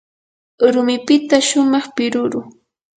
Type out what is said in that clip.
rumipita shumaq piruru.